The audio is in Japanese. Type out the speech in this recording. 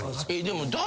でも。